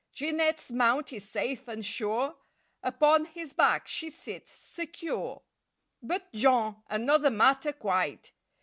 Jeanette's mount is safe and sure, Upon his back she sits secure. But Jean—another matter, quite!